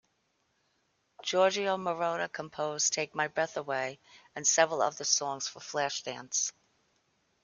Giorgio Moroder composed "Take My Breath Away" and several of the songs for "Flashdance".